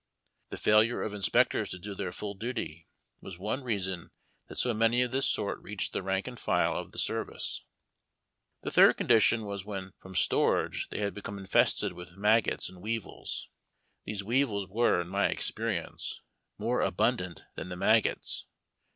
The failure of inspectors to do their full duty was one reason that so many of this sort reached the rank and' file of the service. The third condition was when from storage they had be come infested with maggots and weevils. These weevils were, in my experience, more abundant than the maggots.